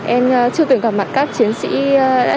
em chưa từng gặp mặt các chiến sĩ đã hy sinh ở con họa